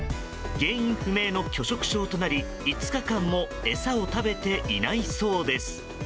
原因不明の拒食症となり５日間も餌を食べていないそうです。